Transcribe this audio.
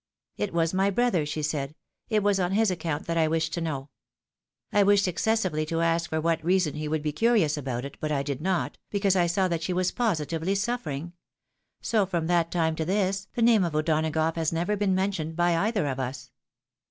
' It was my brother,' she said, ' it was on his account that I wished to know.' I wished excessively to ask for what i».',asonhe could be curious about it, but I did not, because I saw that she was positively suffering ; so from that time to this, the name of O'Donagough has never been mentioned by either of us."